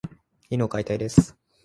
犬を飼いたいです。